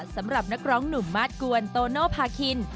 สำหรับนักร้องหนุ่มมาสกวนโตโนภาคิน